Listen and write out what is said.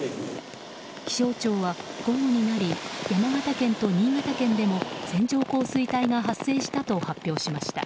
気象庁は午後になり山形県と新潟県でも線状降水帯が発生したと発表しました。